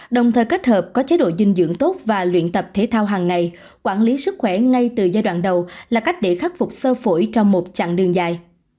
đồng thời kết hợp có chế độ dinh dưỡng tốt và luyện tập thể thao hằng ngày quản lý sức khỏe ngay từ giai đoạn đầu là cách để khắc phục sơ phổi trong một chặng đường dài